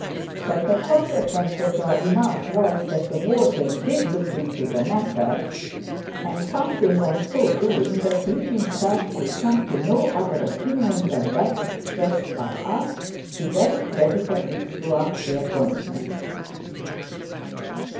But the consequence of our remark was, that the warden did look into the matter, and finding on doing so that he himself could come to no other opinion than that expressed by us, he very creditably threw up the appointment.